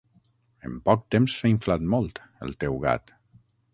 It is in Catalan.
En poc temps s'ha inflat molt, el teu gat.